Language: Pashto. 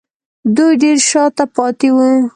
دوی ډېر شا ته پاتې وو